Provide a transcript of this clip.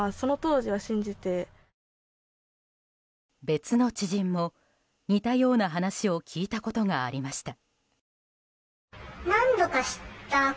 別の知人も似たような話を聞いたことがありました。